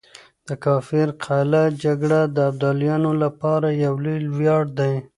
د کافر قلعه جګړه د ابدالیانو لپاره يو لوی وياړ دی.